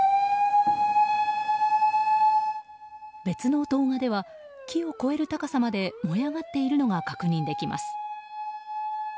別の動画では木を越える高さまで燃え上がっているのが確認できます。